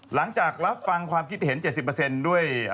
หลังจากรับฟังความคิดเห็น๗๐เปอร์เซ็นต์ด้วย